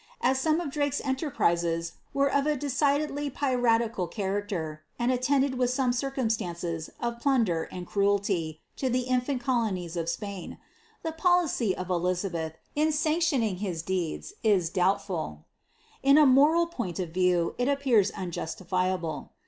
As some of Drake's enterprises were of a decidedly piratical character, and atieniled with circumstances nf plunder and cruelty to the infant colonies of Spain, the policy of Elizabeth, in sanctioning his deeds, is doubtful; in a moral point of view, it appears unjustifiable.